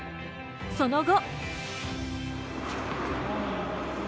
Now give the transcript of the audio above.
その後。